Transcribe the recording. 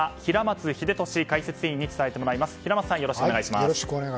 ここからは平松秀敏解説委員に伝えてもらいます。